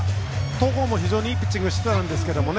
戸郷も非常にいいピッチングをしていたんですけどね